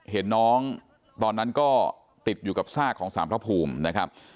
เห็นน้องตอนนั้นก็ติดอยู่กับซากของสารพระภูมินะครับ